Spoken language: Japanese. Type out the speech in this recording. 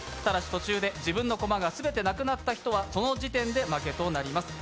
途中で自分の駒が全てなくなって人はその時点負けとなります。